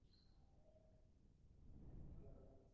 Naye lwakuba ndaba twagayaalamu emabegako.